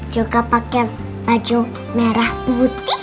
juga pakai baju merah putih ya